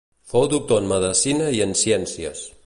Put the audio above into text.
Fou doctor en medecina i en ciències.